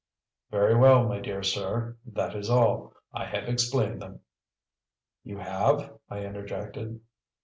"Very well, my dear sir; that is all. I have explained them." "You have?" I interjected.